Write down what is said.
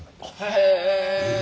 へえ！